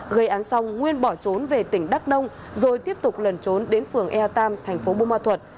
gây án xong nguyên bỏ trốn về tỉnh đắk nông rồi tiếp tục lần trốn đến phường ea tam thành phố bù ma thuật